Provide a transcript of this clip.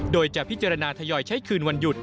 โดยจะพิจารณาทยอยใช้คืนวันหยุด